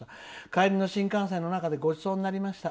「帰りの新幹線の中でごちそうになりました。